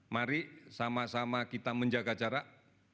mari sama sama kita menjaga jarak